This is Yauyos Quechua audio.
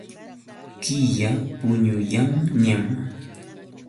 Killa puñuyanñam.